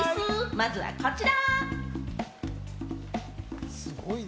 まずはこちら！